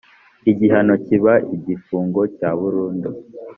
igihano kiba igifungo cya burundu